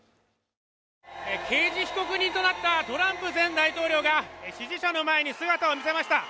刑事被告人となったトランプ前大統領が支持者の前に姿を見せました。